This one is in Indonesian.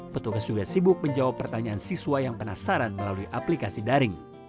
petugas juga sibuk menjawab pertanyaan siswa yang penasaran melalui aplikasi daring